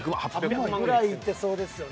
ぐらいいってそうですよね。